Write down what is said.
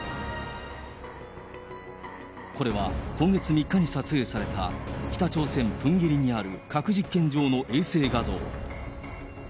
これは今月３日に撮影された北朝鮮・プンゲリにある核実験場の衛星画像。